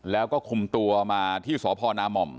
แล้วก็ขุมตัวมาที่พรนามม